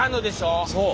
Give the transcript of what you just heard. そう。